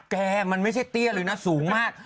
แกมันไม่ใช่เตี้ยเลยนะสูงมาก